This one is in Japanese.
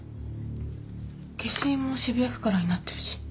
消印も渋谷区からになってるし。